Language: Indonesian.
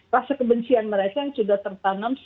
rasa kebencian mereka yang sudah tertanam